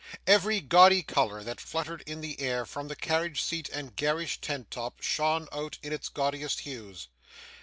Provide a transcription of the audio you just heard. Every gaudy colour that fluttered in the air from carriage seat and garish tent top, shone out in its gaudiest hues.